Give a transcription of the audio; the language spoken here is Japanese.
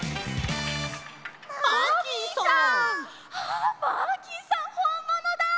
あっマーキーさんほんものだ！